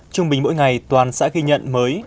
trung bình mỗi ngày toàn xã ghi nhận mới